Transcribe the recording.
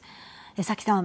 江崎さん。